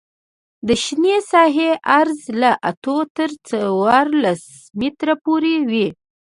د شنې ساحې عرض له اتو تر څوارلس مترو پورې وي